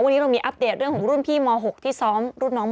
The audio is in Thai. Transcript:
วันนี้เรามีอัปเดตเรื่องของรุ่นพี่ม๖ที่ซ้อมรุ่นน้องม